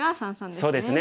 そうですね。